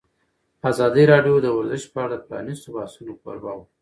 ازادي راډیو د ورزش په اړه د پرانیستو بحثونو کوربه وه.